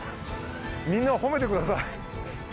みんなを褒めてください。